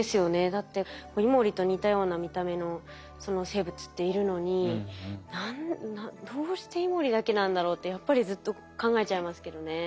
だってイモリと似たような見た目の生物っているのに何でどうしてイモリだけなんだろうってやっぱりずっと考えちゃいますけどね。